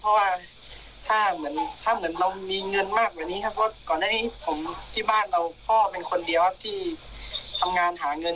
เพราะว่าถ้าเหมือนเรามีเงินมากกว่านี้ก่อนให้ที่บ้านแม่เป็นคนเดียวที่ทำงานหาเงิน